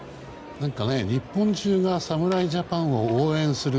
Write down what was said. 日本中が侍ジャパンを応援する。